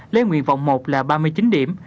lấy nguyện vọng một là ba mươi chín điểm